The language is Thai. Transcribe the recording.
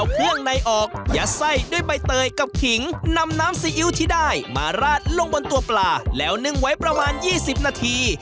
ปลาจาระเม็ดนึ่งซีอิ๊ว๑๐นาที